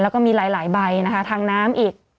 แล้วก็มีหลายใบนะคะทางน้ำอีก